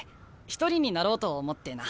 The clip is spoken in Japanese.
一人になろうと思ってな。